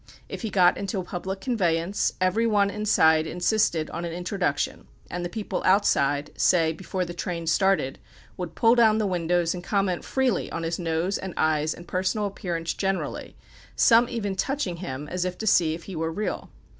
If he got into a public conveyance, every one inside insisted on an introduction, and the people outside say before the train started would pull down the windows and comment freely on his nose and eyes and personal appearance generally, some even touching him as if to see if he were real.